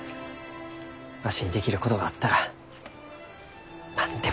わしにできることがあったら何でもやるき。